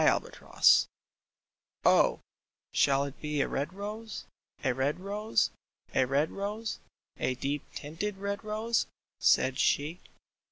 THREE ROSES " Oh, shall it be a red rose, a red rose, a red rose, A deep tinted red rose ?" said she.